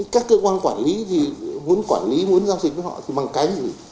các cơ quan quản lý thì muốn quản lý muốn giao dịch với họ thì bằng cái gì